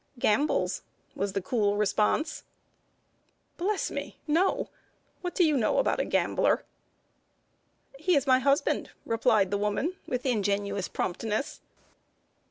"Gambles," was the cool response. "Bless me, no! What do you know about a gambler?" "He is my husband," replied the woman, with ingenuous promptness.